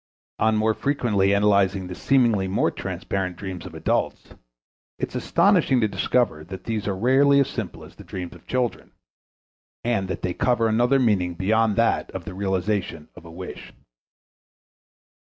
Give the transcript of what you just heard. On more frequently analyzing the seemingly more transparent dreams of adults, it is astonishing to discover that these are rarely as simple as the dreams of children, and that they cover another meaning beyond that of the realization of a wish.